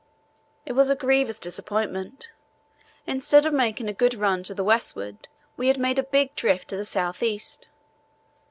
It was a grievous disappointment. Instead of making a good run to the westward we had made a big drift to the south east.